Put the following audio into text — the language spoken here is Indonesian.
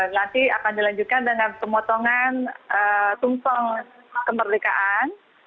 nanti akan dilanjutkan dengan pemotongan tumpong kemerdekaan